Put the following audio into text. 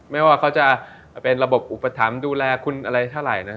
ไม่ว่าเขาจะเป็นระบบอุปถัมภ์ดูแลคุณอะไรเท่าไหร่นะ